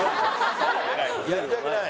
やりたくない？